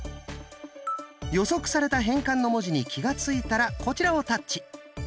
予測された変換の文字に気が付いたらこちらをタッチ。